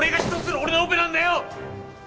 俺のオペなんだよ！